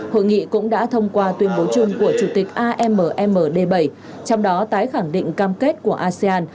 hội nghị cũng đã thông qua tuyên bố chung của chủ tịch ammd bảy trong đó tái khẳng định cam kết của asean